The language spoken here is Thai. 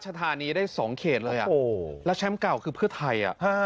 อุบลราชธานีได้สองเขตเลยและแชมป์เก่าคือเพื่อไทย